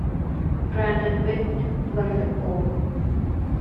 Brandon Whitt won the pole.